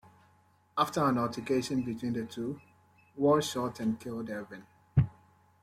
After an altercation between the two, Walsh shot and killed Irving.